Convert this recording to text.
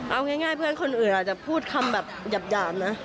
เอาง่ายเพื่อนคนอื่นอาจจะพูดคำแบบหยาบนะ